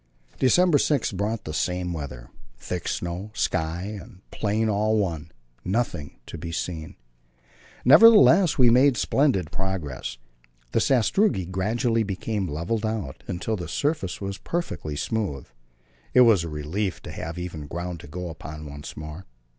December 6 brought the same weather: thick snow, sky and plain all one, nothing to be seen. Nevertheless we made splendid progress. The sastrugi gradually became levelled out, until the surface was perfectly smooth; it was a relief to have even ground to go upon once more.